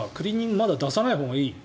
まだ出さないほうがいい？